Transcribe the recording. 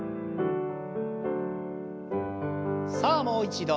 さあもう一度。